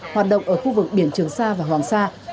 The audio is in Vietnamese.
hoạt động ở khu vực biển trường sa và hoàng sa